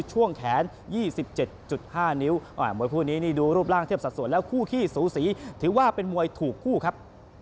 ช่วงแขน๒๗๕นิ้วมวยคู่นี้นี่ดูรูปร่างเทียบสัดส่วนแล้วคู่ขี้สูสีถือว่าเป็นมวยถูกคู่ครับ